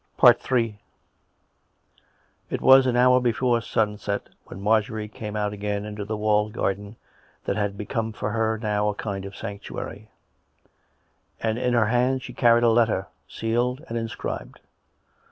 Ill It was an hour before sunset when Marjorie came out again into the walled garden that had become for her now a kind of sanctuary^ and in her hand she carried a letter, sealed and inscribed.